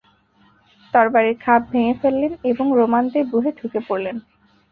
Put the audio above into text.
তরবারীর খাপ ভেঙে ফেললেন এবং রোমানদের ব্যুহে ঢুকে পড়লেন।